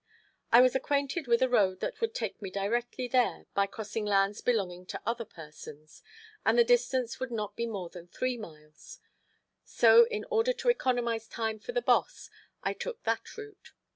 I was acquainted with a road that would take me directly there, by crossing lands belonging to other persons, and the distance would not be more than three miles; so in order to economize time for the boss I took that route.